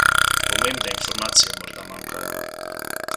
Pomembne informacije morda manjkajo.